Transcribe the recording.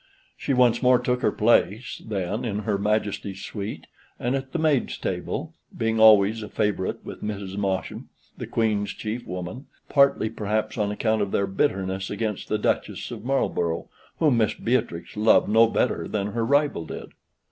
She once more took her place, then, in her Majesty's suite and at the Maids' table, being always a favorite with Mrs. Masham, the Queen's chief woman, partly perhaps on account of their bitterness against the Duchess of Marlborough, whom Miss Beatrix loved no better than her rival did.